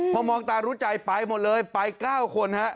พอมองตารู้ใจไปหมดเลยไป๙คนฮะ